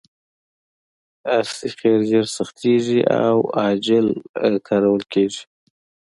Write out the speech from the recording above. ار سي قیر ژر سختیږي او عاجل کارول کیږي